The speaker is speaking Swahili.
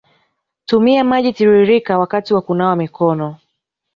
tumia maji tiririka wakati wa kunawa mikono